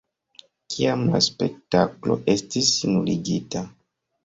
Kiam la spektaklo estis nuligita.